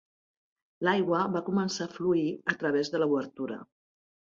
L'aigua va començar a fluir a través de l'obertura.